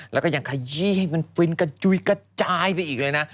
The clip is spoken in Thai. แล้วก็ยังขยี้ให้มันฟินกระจุยกระจายไปอีกเลยนะ